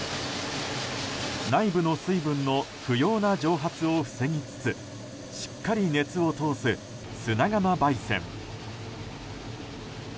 内部の水分の不要な蒸発を防ぎつつしっかり熱を通す砂窯焙煎。